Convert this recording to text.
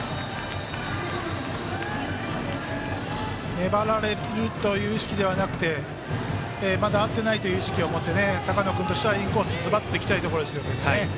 粘られるという意識ではなくてまだ合ってないという意識を持って高野君としてはインコースズバッといきたいところです。